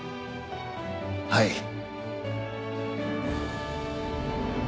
はい。